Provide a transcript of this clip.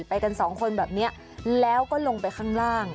ไปกันสองคนแบบนี้แล้วก็ลงไปข้างล่าง